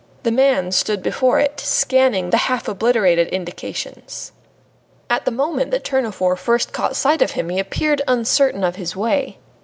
The man stood before it, scanning the half obliterated indications. At the moment that Tournefort first caught sight of him he appeared uncertain of his way.